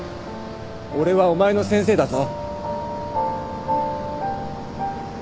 俺はお前の先生だぞ。